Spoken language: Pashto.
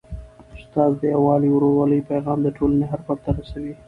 استاد د یووالي او ورورولۍ پیغام د ټولني هر فرد ته رسوي.